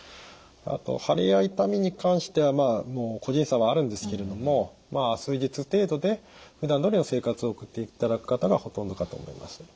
あと腫れや痛みに関しては個人差はあるんですけれども数日程度でふだんどおりの生活を送っていただく方がほとんどかと思います。